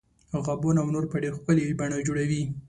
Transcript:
غابونه او نور په ډیره ښکلې بڼه جوړوي.